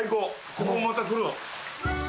ここもまた来るわ。